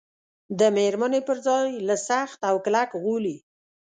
د مېرمنې پر ځای له سخت او کلک غولي.